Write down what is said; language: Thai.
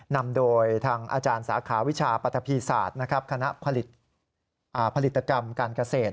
นำโดยทางอาจารย์สาขาวิชาปฏภิษัทคณะผลิตกรรมการเกษตร